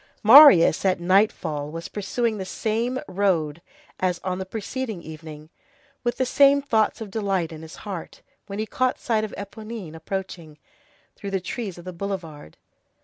Marius, at nightfall, was pursuing the same road as on the preceding evening, with the same thoughts of delight in his heart, when he caught sight of Éponine approaching, through the trees of the boulevard.